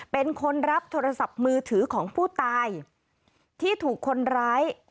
เป็นคนรับโทรศัพท์มือถือของผู้ตายที่ถูกคนร้าย